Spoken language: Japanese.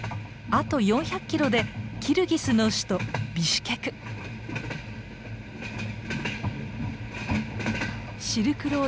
あと４００キロでキルギスの首都ビシュケク。